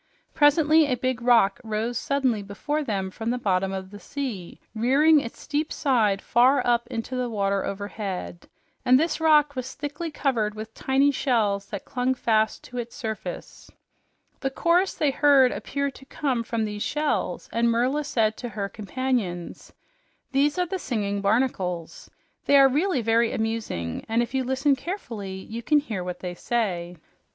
Presently a big rock rose suddenly before them from the bottom of the sea, rearing its steep side far up into the water overhead, and this rock was thickly covered with tiny shells that clung fast to its surface. The chorus they heard appeared to come from these shells, and Merla said to her companions, "These are the singing barnacles. They are really very amusing, and if you listen carefully, you can hear what they say."